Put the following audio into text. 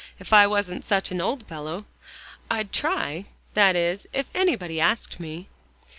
"If I wasn't such an old fellow, I'd try; that is, if anybody asked me."